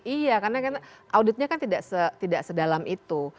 iya karena auditnya kan tidak sedalam itu